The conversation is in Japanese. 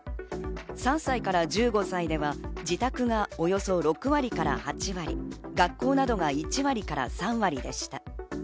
３歳から１５歳では自宅がおよそ６割から８割、学校などが１割から３割でした。